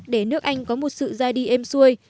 để nước anh có một sự ra đi êm xuôi